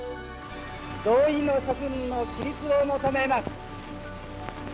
同意の諸君の起立を求めます。